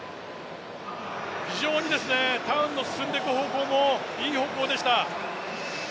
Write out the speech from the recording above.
非常にターンも進んでいく方向も、いい方向でした。